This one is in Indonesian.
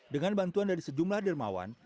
dengan bantuan dari sejumlah dermawan